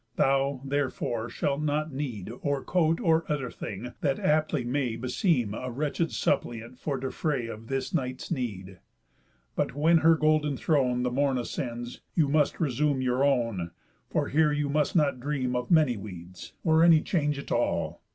Thou, therefore, shalt not need Or coat, or other thing, that aptly may Beseem a wretched suppliant for defray Of this night's need. But, when her golden throne The morn ascends, you must resume your own, For here you must not dream of many weeds, Or any change at all.